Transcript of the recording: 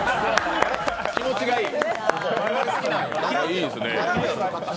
気持ちがいい。